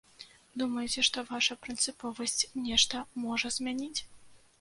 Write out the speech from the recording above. Думаеце, што ваша прынцыповасць нешта можа змяніць?